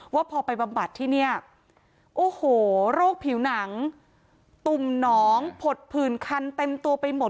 ว่าพอไปบำบัดที่เนี่ยโอ้โหโรคผิวหนังตุ่มหนองผดผื่นคันเต็มตัวไปหมด